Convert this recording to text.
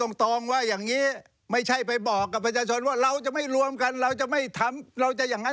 นี่นี่นี่นี่นี่นี่นี่นี่